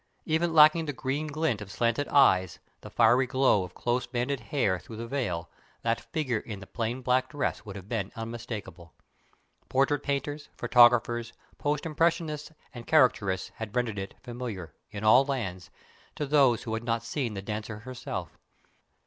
Even lacking the green glint of slanted eyes, the fiery glow of close banded hair through the veil, that figure in the plain black dress would have been unmistakable. Portrait painters, photographers, post impressionists, and caricaturists had rendered it familiar, in all lands, to those who had not seen the dancer herself.